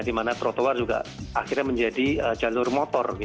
di mana trotoar juga akhirnya menjadi jalur motor